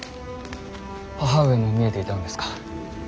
母上も見えていたのですか。